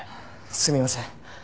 すみません。